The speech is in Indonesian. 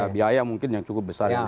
biaya mungkin yang cukup besar